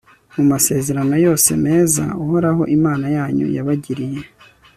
mu masezerano yose meza uhoraho, imana yanyu, yabagiriye